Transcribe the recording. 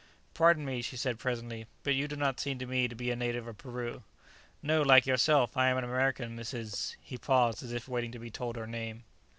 "Pardon me," she said presently; "but you do not seem to me to be a native of Peru?" "No; like yourself, I am an American, Mrs. ;" he paused, as if waiting to be told her name.